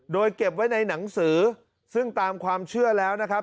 โดยเก็บไว้ในหนังสือซึ่งตามความเชื่อแล้วนะครับ